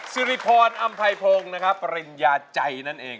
ซิริพรอำไพพงศ์ปริญญาใจนั่นเอง